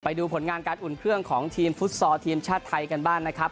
ไปดูผลงานการอุ่นเครื่องของทีมฟุตซอลทีมชาติไทยกันบ้างนะครับ